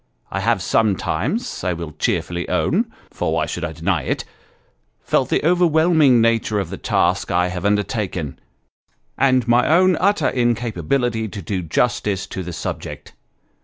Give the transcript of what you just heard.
I have sometimes, I will cheerfully own for why should I deny it ? felt the overwhelming nature of the task I have undertaken, and my own utter incapability to do justice to the subject.